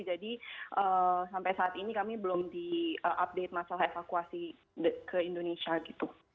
jadi sampai saat ini kami belum di update masalah evakuasi ke indonesia gitu